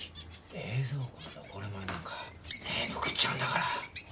冷蔵庫の残り物なんか全部食っちゃうんだから。